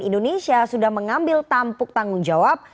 indonesia sudah mengambil tampuk tanggung jawab